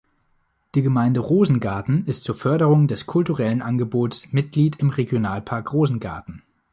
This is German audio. Die Gemeinde Rosengarten ist zur Förderung des kulturellen Angebots Mitglied im Regionalpark Rosengarten.